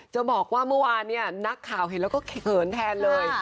จะบอกว่าเมื่อวานเนี่ยนักข่าวเห็นแล้วก็เขินแทนเลย